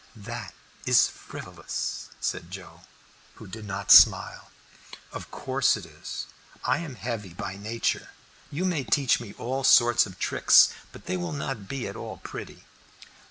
"That is frivolous," said Joe, who did not smile. "Of course it is. I am heavy by nature. You may teach me all sorts of tricks, but they will not be at all pretty."